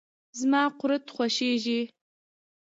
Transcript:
زما قورت خوشیزی.